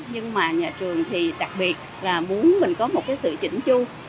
nhưng mà nhà trường thì đặc biệt là muốn mình có một cái sự chỉnh chu